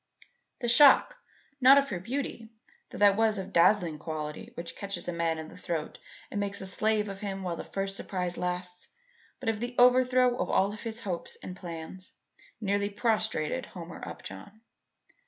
The shock, not of her beauty, though that was of the dazzling quality which catches a man in the throat and makes a slave of him while the first surprise lasts, but of the overthrow of all his hopes and plans, nearly prostrated Homer Upjohn.